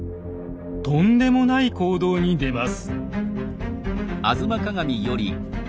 とんでもない行動に出ます。